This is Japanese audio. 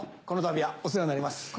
この度はお世話になります。